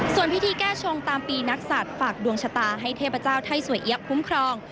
ส่วนพิธีแก้ชงตามปีนักศัตริย์ฝากดวงชะตาให้เทพเจ้าไทยสวยเอี๊ยคุ้มครอง